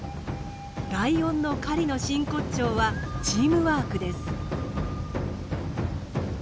ライオンの狩りの真骨頂はチームワークです。